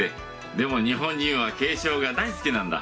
でも日本人は敬称が大好きなんだ。